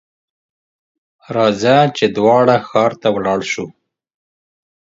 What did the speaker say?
راځه ! چې دواړه ښار ته ولاړ شو.